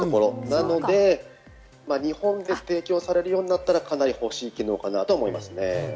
なので日本で提供されるようになったらかなり欲しい機能かなと思いますね。